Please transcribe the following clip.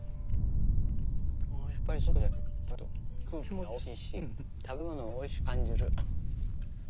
やっぱり外で食べると空気がおいしいし食べ物をおいしく感じる。